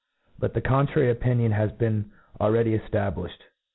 But the contrary opinion haS been already eftabliiiied.